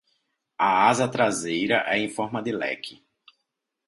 A asa traseira é em forma de leque.